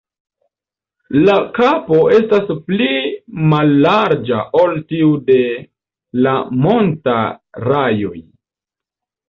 La kapo estas pli mallarĝa ol tiu de la Manta-rajoj.